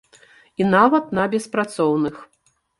І нават на беспрацоўных.